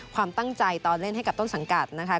ความตั้งใจตอนเล่นให้กับต้นสังกัดนะคะ